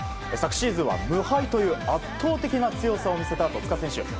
昨シーズンは無敗という圧倒的な強さを見せた戸塚選手。